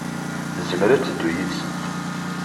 Tezmer ad teddu yid-sent.